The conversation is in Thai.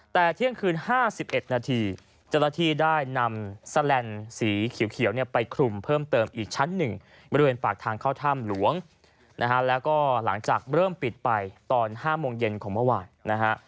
แต่เที่ยงคืน๕๑นาทีเจ้าหน้าที่ได้นำแสลนด์สีเขียวเนี่ยไปคลุมเพิ่มเติมอีกชั้นหนึ่งบริเวณปากทางเข้าถ้ำหลวงนะฮะแล้วก็หลังจากเริ่มปิดไปตอน๕โมงเย็นของเมื่อวานนะฮะ